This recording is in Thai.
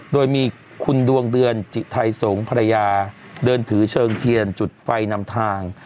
โดยมีคุณดวงเดือนจิไทยสงศ์ภรรยาเดินถือเชิงเทียนจุดไฟนำทาง